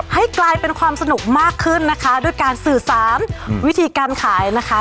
ให้กลายเป็นความสนุกมากขึ้นนะคะด้วยการสื่อสารวิธีการขายนะคะ